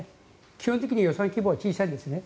基本的に予算規模は小さいんですね。